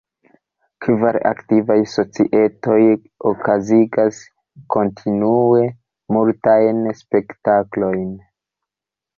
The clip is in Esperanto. Kvar aktivaj societoj okazigas kontinue multajn spektaklojn.